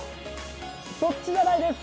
そっちじゃないです。